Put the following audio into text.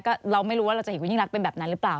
ก็เราไม่รู้ว่าเราจะเห็นคุณยิ่งรักเป็นแบบนั้นหรือเปล่า